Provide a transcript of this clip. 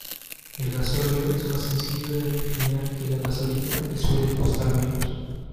El gasóleo es más sencillo de refinar que la gasolina y suele costar menos.